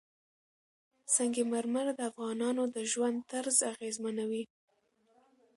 سنگ مرمر د افغانانو د ژوند طرز اغېزمنوي.